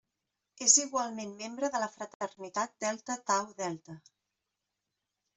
És igualment membre de la fraternitat Delta Tau Delta.